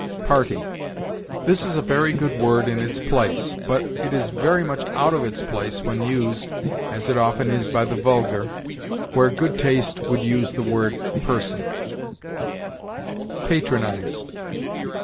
PARTY. This is a very good word in its place, but it is very much out of its place when used as it often is by the vulgar where good taste would use the word person. PATRONIZE.